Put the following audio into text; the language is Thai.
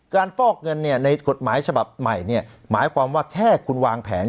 ฟอกเงินในกฎหมายฉบับใหม่เนี่ยหมายความว่าแค่คุณวางแผน